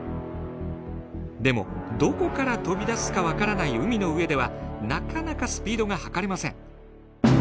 でもどこから飛び出すか分からない海の上ではなかなかスピードが計れません。